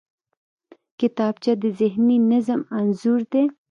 کتابچه د ذهني نظم انځور دی